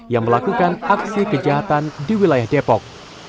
yang melakukan aksi kejahatan di wilayah depok